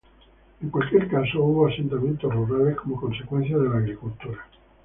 En cualquier caso, hubo asentamientos rurales como consecuencia de la agricultura.